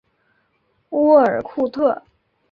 乌尔库特。